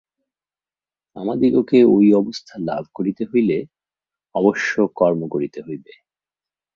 আমাদিগকে ঐ অবস্থা লাভ করিতে হইলে অবশ্য কর্ম করিতে হইবে।